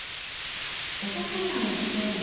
土砂災害の危険度